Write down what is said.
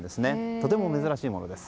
とても珍しいものです。